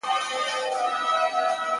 سرونه رغړي ویني وبهیږي.!